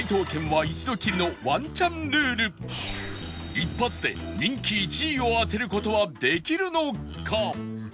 一発で人気１位を当てる事はできるのか？